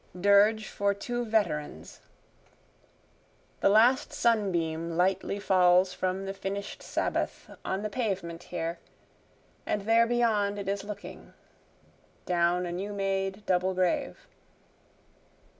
Dirge for Two Veterans The last sunbeam Lightly falls from the finish'd Sabbath, On the pavement here, and there beyond it is looking, Down a new made double grave.